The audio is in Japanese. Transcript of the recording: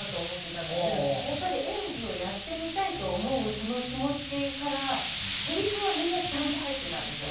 やっぱり演技をやってみたいと思うその気持ちからせりふはみんなちゃんと入ってたんですよ。